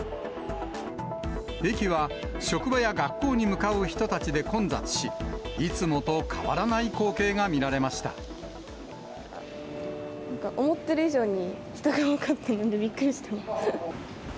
駅は職場や学校に向かう人たちで混雑し、いつもと変わらない光景思ってる以上に、人が多かったのでびっくりしました。